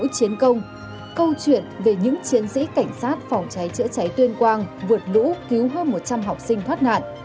chiến công câu chuyện về những chiến sĩ cảnh sát phòng cháy chữa cháy tuyên quang vượt lũ cứu hơn một trăm linh học sinh thoát nạn